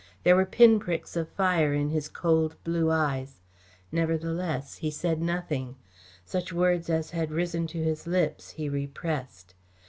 There were pin pricks of fire in his cold, blue eyes. Nevertheless, he said nothing. Such words as had risen to his lips he repressed.